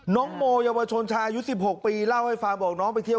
น้องโมยาวชนชายุ้น๑๖ปี